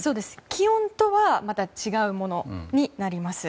気温とはまた違うものになります。